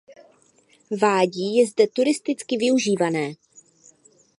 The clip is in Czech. Vádí je zde turisticky využívané.